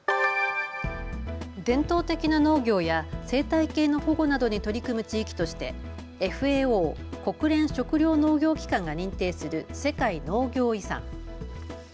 伝統的な農業や生態系の保護などに取り組む地域としてＦＡＯ・国連食糧農業機関が認定する世界農業遺産。